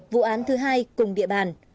vụ án thứ hai cùng địa bàn